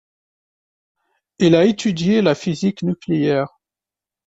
Il a étudié la physique nucléaire.